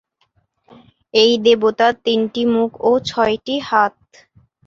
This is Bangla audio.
এই দেবতার তিনটি মুখ ও ছয়টি হাত।